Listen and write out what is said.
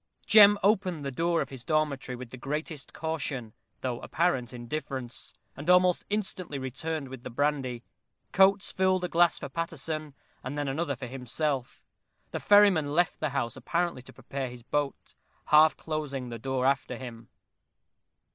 Jem opened the door of his dormitory with the greatest caution, though apparent indifference, and almost instantly returned with the brandy. Coates filled a glass for Paterson, and then another for himself. The ferryman left the house apparently to prepare his boat, half closing the door after him.